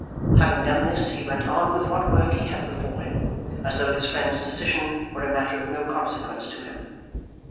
Having done this, he went on with what work he had before him, as though his friend's decision were a matter of no consequence to him.